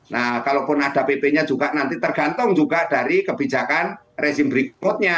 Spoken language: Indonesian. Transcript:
nah kalaupun ada pp nya juga nanti tergantung juga dari kebijakan rezim berikutnya